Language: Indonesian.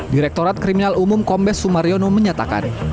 direktorat kriminal umum kombes sumaryono menyatakan